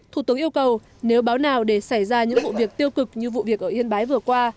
thủ tướng yêu cầu nếu báo nào để xảy ra những vụ việc tiêu cực như vụ việc ở yên bái vừa qua